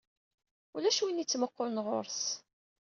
Ulac win yettmuqqulen ɣuṛ-s.